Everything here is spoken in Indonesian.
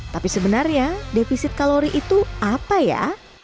tapi sebenarnya defisit kalori itu apa ya